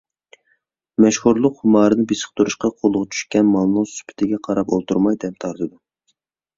مەشھۇرلۇق خۇمارىنى بېسىقتۇرۇشقا قولىغا چۈشكەن مالنىڭ سۈپىتىگە قاراپ ئولتۇرماي دەم تارتىدۇ.